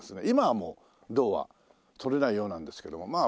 今はもう銅はとれないようなんですけども。